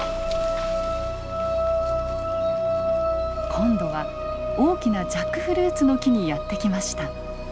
今度は大きなジャックフルーツの木にやって来ました。